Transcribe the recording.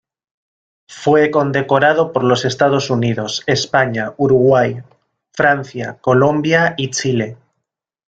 Fue condecorado por los Estados Unidos, España, Uruguay, Francia, Colombia y Chile.